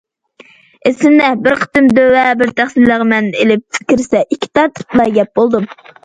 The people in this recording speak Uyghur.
ئېسىمدە، بىر قېتىم دۆۋە بىر تەخسە لەڭمەن ئېلىپ كىرسە ئىككى تارتىپلا يەپ بولدۇم.